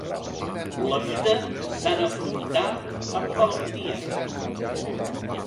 La vida s'ha d'afrontar amb valentia.